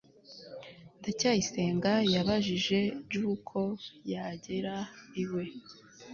ndacyayisenga yabajije j uko yagera iwe